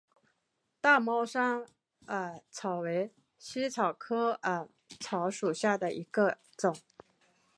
大帽山耳草为茜草科耳草属下的一个种。